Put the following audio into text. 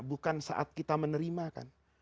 bukan saat kita menerima kan